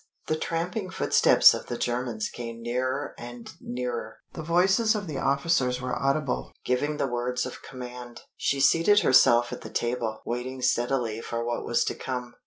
The tramping footsteps of the Germans came nearer and nearer. The voices of the officers were audible, giving the words of command. She seated herself at the table, waiting steadily for what was to come.